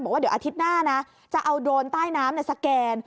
บอกว่าเดี๋ยวอาทิตย์หน้านะจะเอาโดรนใต้น้ำสแกน